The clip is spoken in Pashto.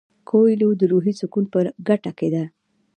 کویلیو د روحي سکون په لټه کې دی.